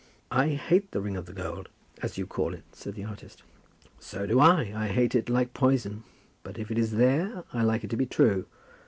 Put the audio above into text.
"I hate the ring of the gold, as you call it," said the artist. "So do I, I hate it like poison; but if it is there, I like it to be true.